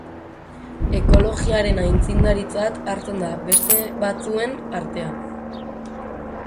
Ekologiaren aitzindaritzat hartzen da beste batzuen artean.